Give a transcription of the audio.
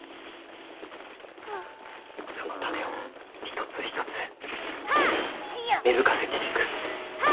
その種を一つ一つ芽吹かせていく。